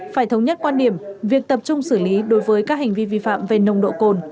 phải thống nhất quan điểm việc tập trung xử lý đối với các hành vi vi phạm về nồng độ cồn